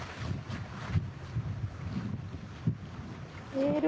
見える？